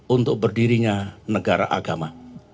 untuk berdirinya negara agama